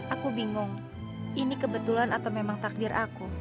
aku bingung ini kebetulan atau memang takdir aku